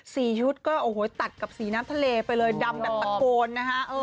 ชุดก็โอ้โหตัดกับสีน้ำทะเลไปเลยดำแบบตะโกนนะฮะ